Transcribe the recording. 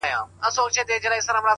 خپل ژوند په ارزښتونو برابر کړئ،